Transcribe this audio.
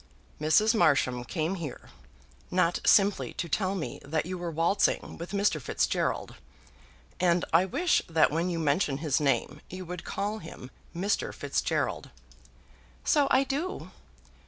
"Mrs. Marsham came here, not simply to tell me that you were waltzing with Mr. Fitzgerald, and I wish that when you mention his name you would call him Mr. Fitzgerald." "So I do."